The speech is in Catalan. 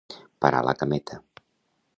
Parar la cameta.